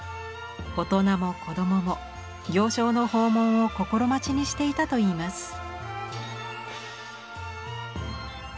大人も子供も行商の訪問を心待ちにしていたといいます。